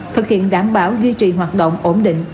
thực hiện đảm bảo duy trì hoạt động ổn định